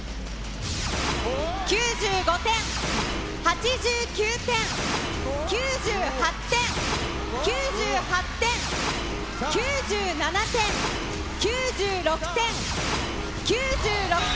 ９５点、８９点、９８点、９８点、９７点、９６点、９６点。